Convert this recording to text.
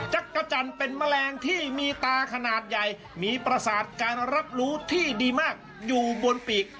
จักรจันทร์เป็นแมลงที่มีตาขนาดใหญ่มีประสาทการรับรู้ที่ดีมากอยู่บนปีก